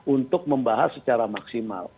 untuk membahas secara maksimal